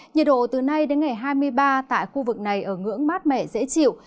nhiệt độ từ nay đến ngày hai mươi ba tại khu vực này ở ngưỡng mát mẻ dễ chịu